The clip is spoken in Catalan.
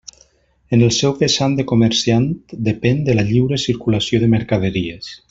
En el seu vessant de comerciant depén de la lliure circulació de mercaderies.